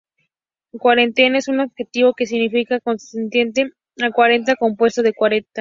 Cuarentena es un adjetivo que significa concerniente a cuarenta, compuesto de cuarenta.